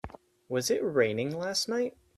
Was it raining last night?